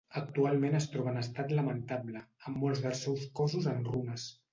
Actualment es troba en estat lamentable, amb molts dels seus cossos en runes.